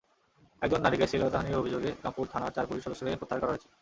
একজন নারীকে শ্লীলতাহানির অভিযোগে রামপুরা থানার চার পুলিশ সদস্যকে প্রত্যাহার করা হয়েছে।